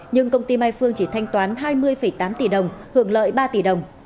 nhưng công ty mai phương chỉ thanh toán hai mươi tám tỷ đồng hưởng lợi ba tỷ đồng